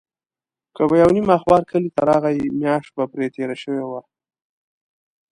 که به یو نیم اخبار کلي ته راغی، میاشت به پرې تېره شوې وه.